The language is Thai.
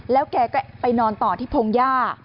แล้วแกไปนอนต่อที่พงย่า